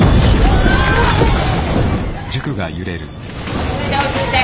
落ち着いて落ち着いて！